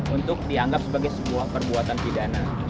untuk dianggap sebagai sebuah perbuatan pidana